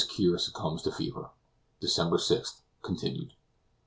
KEAR SUCCUMBS TO FEVER DECEMBER 6 continued.